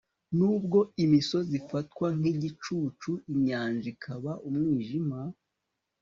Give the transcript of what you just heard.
nubwo imisozi ifatwa nk'igicucu, inyanja ikaba umwijima